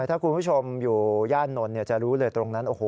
ถ้าคุณผู้ชมอยู่ย่านนท์จะรู้เลยตรงนั้นโอ้โห